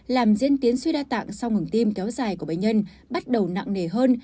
làm diễn tiến suy đa tạng sau ngừng tim kéo dài của bệnh nhân bắt đầu nặng nề hơn